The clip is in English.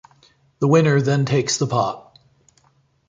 The winner then takes the pot.